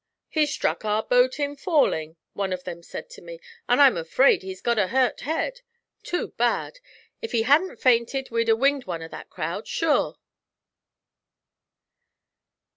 'He struck our boat in falling,' one of them said to me, 'and I'm afraid he's got a hurt head. Too bad; if he hadn't fainted we'd 'a' winged one of that crowd, sure.'